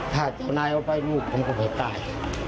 ถ้าเจ้านายเอาไปผมก็พอตาย